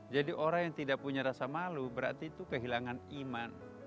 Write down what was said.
jadi orang yang tidak punya rasa malu berarti itu kehilangan iman